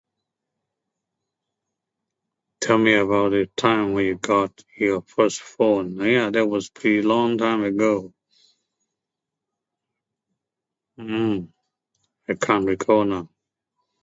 Tell me about a time where you got your first phone oh yeah that was a long time ago. Mm, I can't recall now.